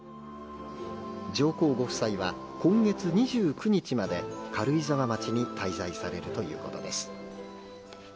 上皇ご夫妻は今月２９日まで、軽井沢町に滞在されるということです。